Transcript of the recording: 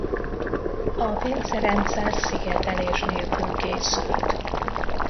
A pincerendszer szigetelés nélkül készült.